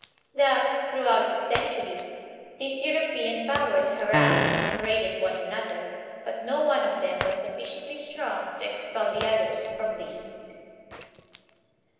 Thus, throughout the century, these European powers harassed and raided one another, but no one of them was sufficiently strong to expel the others from the East.